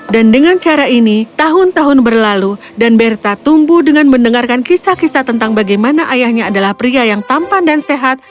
dan dengan cara ini tahun tahun berlalu dan bertha tumbuh dengan mendengarkan kisah kisah tentang bagaimana ayahnya adalah pria yang tampan dan sehat